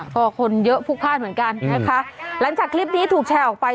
ก็คนเยอะพลุกพลาดเหมือนกันนะคะหลังจากคลิปนี้ถูกแชร์ออกไป